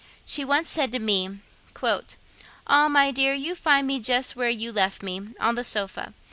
She once said to me, 'Ah, my dear, you find me just where you left me on the sofa.